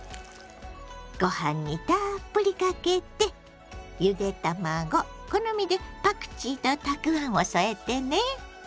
ご飯にたっぷりかけてゆで卵好みでパクチーとたくあんを添えてね。